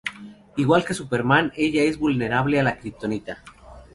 Igual que Superman, ella es vulnerable a la kryptonita.